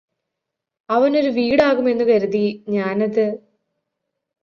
അവനൊരു വീടാകും എന്ന് കരുതി ഞാനത്